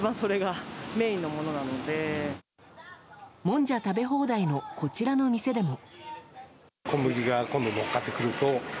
もんじゃ食べ放題のこちらの店でも。